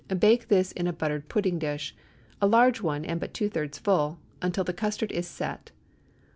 Bake this in a buttered pudding dish—a large one and but two thirds full—until the custard is "set."